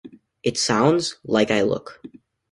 It sounds like I look.